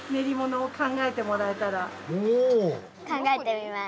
考えてみます。